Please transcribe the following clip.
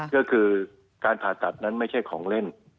ก็คือการผ่าตัดนั้นไม่ใช่ของเล่น